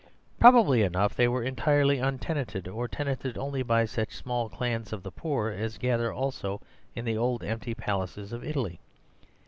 Probably enough, they were entirely untenanted, or tenanted only by such small clans of the poor as gather also in the old emptied palaces of Italy.